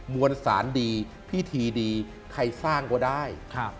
มวลสารดีพิธีดีใครสร้างก็ได้